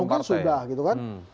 mungkin sudah gitu kan